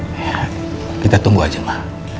iya kita tunggu aja ma